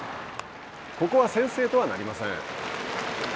ここは先制とはなりません。